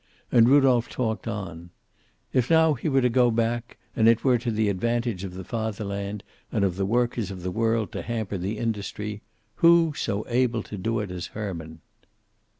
And Rudolph talked on. If now he were to go back, and it were to the advantage of the Fatherland and of the workers of the world to hamper the industry, who so able to do it as Herman.